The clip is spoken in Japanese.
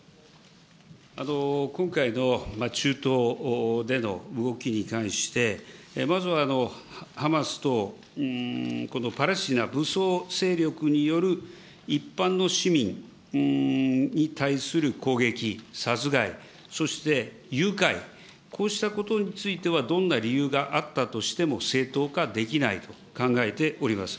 今回の中東での動きに関して、まずはハマスとこのパレスチナ武装勢力による一般の市民に対する攻撃、殺害、そして誘拐、こうしたことについてはどんな理由があったとしても正当化できないと考えております。